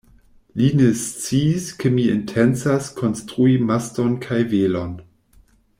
Li ne sciis, ke mi intencas konstrui maston kaj velon.